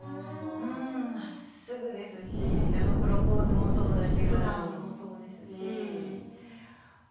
まっすぐですしプロポーズもそうですしふだんもそうですし。